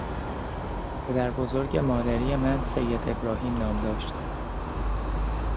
پدربزرگ مادری من سید ابراهیم نام داشت.